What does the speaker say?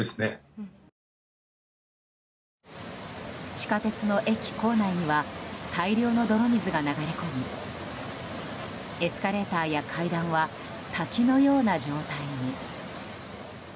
地下鉄の駅構内には大量の泥水が流れ込みエスカレーターや階段は滝のような状態に。